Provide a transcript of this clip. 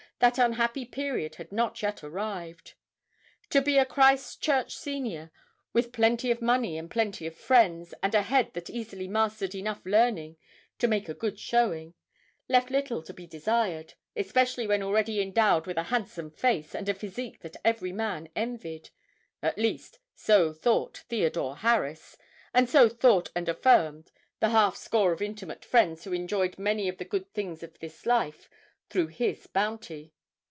that unhappy period had not yet arrived. To be a Christ Church Senior, with plenty of money and plenty of friends and a head that easily mastered enough learning to make a good showing, left little to be desired, especially when already endowed with a handsome face and a physique that every man envied at least, so thought Theodore Harris, and so thought and affirmed the half score of intimate friends who enjoyed many of the good things of this life through his bounty.